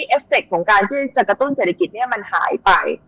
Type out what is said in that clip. เอฟเฟคของการที่จะกระตุ้นเศรษฐกิจเนี่ยมันหายไป